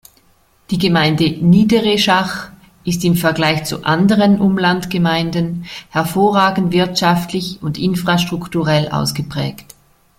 Die Gemeinde Niedereschach ist im Vergleich zu anderen Umlandgemeinden hervorragend wirtschaftlich und infrastrukturell ausgeprägt.